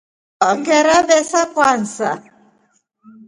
Ongerabesa Kwanza.